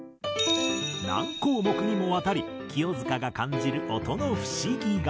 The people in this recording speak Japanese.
何項目にもわたり清塚が感じる音の不思議が。